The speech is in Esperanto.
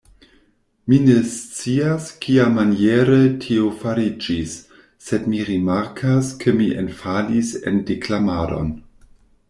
Mi ne scias, kiamaniere tio fariĝis, sed mi rimarkas, ke mi enfalis en deklamadon!